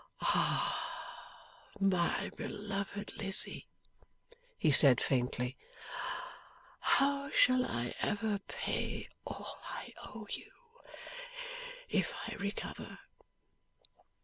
'Ah, my beloved Lizzie!' he said, faintly. 'How shall I ever pay all I owe you, if I recover!